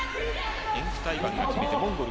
エンフタイバンが決めてモンゴル